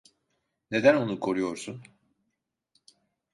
Neden onu koruyorsun?